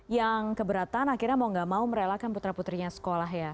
yang keberatan akhirnya mau gak mau merelakan putra putrinya sekolah ya